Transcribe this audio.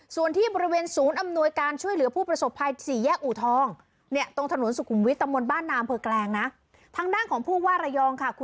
ส่วนที่บริเวณศูนย์อำนวยการช่วยเหลือผู้ประสบภัย